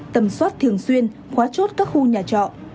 tầm soát thường xuyên khóa chốt các khu nhà trọ